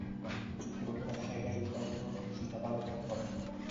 চুক্তিবদ্ধ ব্যবসায়ীরাই উৎপাদিত সুতা বাজারজাত করেন।